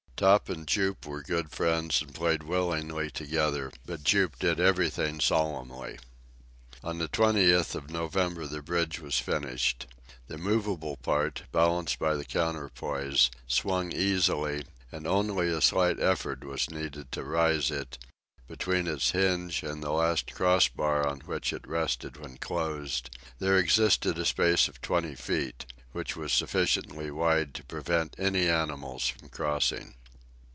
Top and Jup were good friends and played willingly together, but Jup did everything solemnly. On the 20th of November the bridge was finished. The movable part, balanced by the counterpoise, swung easily, and only a slight effort was needed to raise it; between its hinge and the last cross bar on which it rested when closed, there existed a space of twenty feet, which was sufficiently wide to prevent any animals from crossing.